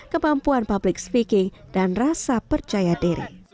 kemampuan public speaking dan rasa percaya diri